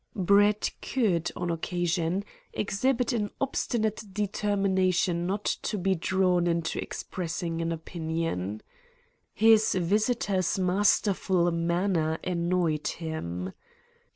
Brett could, on occasion, exhibit an obstinate determination not to be drawn into expressing an opinion. His visitor's masterful manner annoyed him.